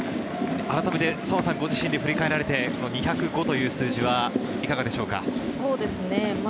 澤さん、ご自身で振り返って２０５という数字はいかがでしょ